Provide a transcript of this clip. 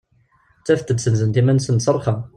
Ttafent-d senzent iman-nsent s rrxa.